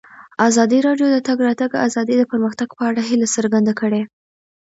ازادي راډیو د د تګ راتګ ازادي د پرمختګ په اړه هیله څرګنده کړې.